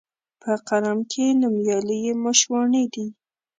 په قلم کښي نومیالي یې مشواڼي دي